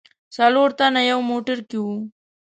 څلور تنه یو موټر کې و.